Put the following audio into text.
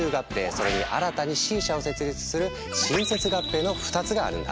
それに新たにＣ社を設立する「新設合併」の２つがあるんだ。